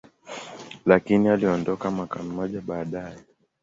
lakini aliondoka mwaka mmoja baadaye.